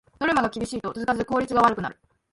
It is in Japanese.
ノルマが厳しいと続かず効率が悪くなる